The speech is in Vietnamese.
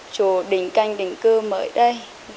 chủ đỉnh canh đỉnh cư mới đây